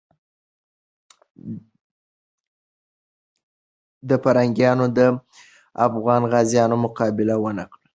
پرنګیانو د افغان غازیانو مقابله ونه کړه.